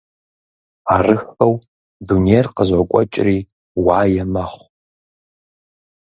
Арыххэу дунейр къызокӀуэкӀри уае мэхъу.